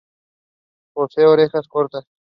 Posee orejas cortas.